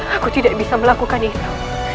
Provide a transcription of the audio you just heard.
aku tidak bisa melakukan itu